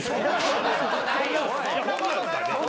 そんなことない。